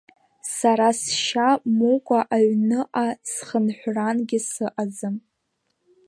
Сара сшьа мукәа аҩныҟа схынҳәрангьы сыҟаӡам.